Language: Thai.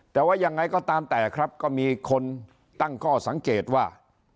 แต่ว่ายังไงก็ตามแต่ครับก็มีคนตั้งข้อสังเกตว่า